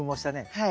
はい。